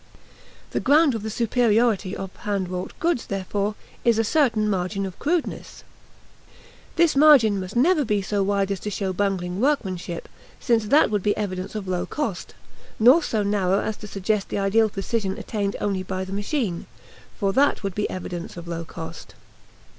The ground of the superiority of hand wrought goods, therefore, is a certain margin of crudeness. This margin must never be so wide as to show bungling workmanship, since that would be evidence of low cost, nor so narrow as to suggest the ideal precision attained only by the machine, for that would be evidence of low cost.